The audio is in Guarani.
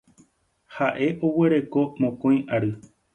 Ha'e oguereko mokõi ary.